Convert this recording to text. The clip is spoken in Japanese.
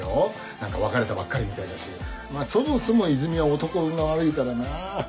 何か別れたばっかりみたいだしそもそもイズミは男運が悪いからなぁ。